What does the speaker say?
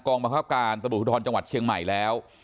บังคับการตำรวจภูทรจังหวัดเชียงใหม่แล้ว